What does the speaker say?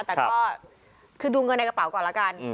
แต่ก็คือดูเงินในกระเป๋าก่อนแล้วกัน